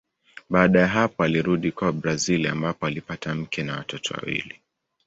Baada ya hapo alirudi kwao Brazili ambapo alipata mke na watoto wawili.